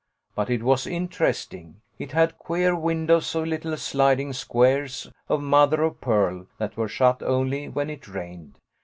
But it was interesting. It had queer windows of little sliding squares of mother of pearl, that were shut only when it rained.